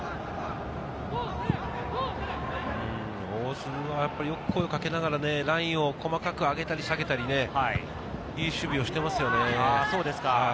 大津はよく声をかけながらラインを細かく上げたり下げたり、いい守備をしていますよね。